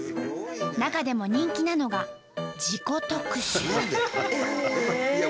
中でも人気なのが「事故特集」。